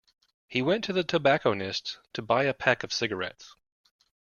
He went to the tobacconists to buy a packet of cigarettes